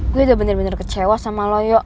gue udah bener bener kecewa sama loyo